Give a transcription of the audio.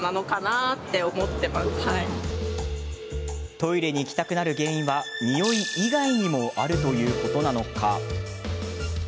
トイレに行きたくなる原因はニオイ以外にもあるということなのか。